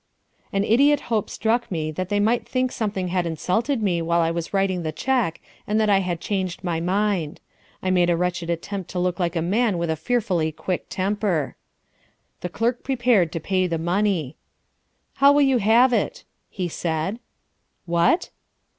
An idiot hope struck me that they might think something had insulted me while I was writing the cheque and that I had changed my mind. I made a wretched attempt to look like a man with a fearfully quick temper. The clerk prepared to pay the money. "How will you have it?" he said. "What?"